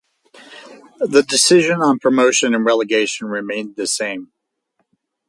The decision on promotion and relegation remained the same.